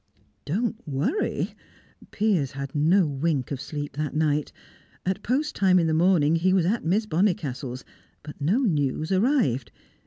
Don't worry! Piers had no wink of sleep that night. At post time in the morning he was at Miss Bonnicastle's, but no news arrived.